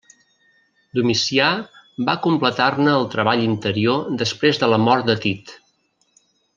Domicià va completar-ne el treball interior després de la mort de Tit.